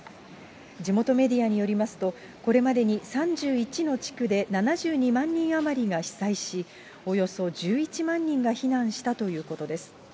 地元メディアによりますと、これまでに３１の地区で７２万人余りが被災し、およそ１１万人が避難したということです。